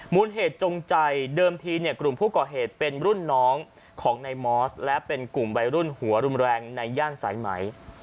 มูลเหตุจงใจเดิมทีเนี่ยกลุ่มผู้ก่อเหตุเป็นรุ่นน้องของนายมอสและเป็นกลุ่มวัยรุ่นหัวรุนแรงในย่านสายไหม